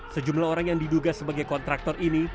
sejumlah orang yang diduga sebagai kontraktor ini